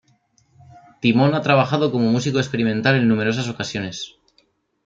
Timón ha trabajado como músico experimental en numerosas ocasiones.